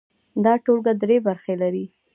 دا ټولګه درې برخې لري.